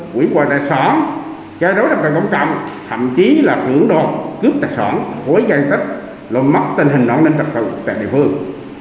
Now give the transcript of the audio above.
quỹ quả trại xóa gai rối đồng cộng trọng thậm chí là cưỡng đột cướp trại xóa hối gây tích lộn mất tình hình đoạn nâng tập thụ tại địa phương